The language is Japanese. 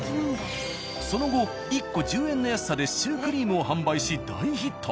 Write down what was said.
その後１個１０円の安さでシュークリームを販売し大ヒット。